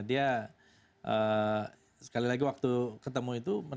dia sekali lagi waktu ketemu itu